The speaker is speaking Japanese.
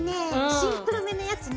シンプルめのやつね。